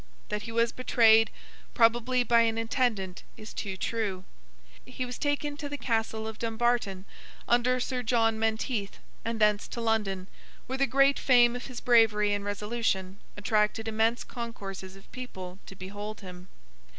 That he was betrayed—probably by an attendant—is too true. He was taken to the Castle of Dumbarton, under Sir John Menteith, and thence to London, where the great fame of his bravery and resolution attracted immense concourses of people to behold him.